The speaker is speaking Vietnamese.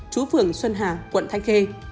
trú phường xuân hà quận thanh khê